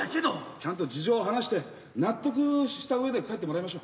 ちゃんと事情を話して納得したうえで帰ってもらいましょ。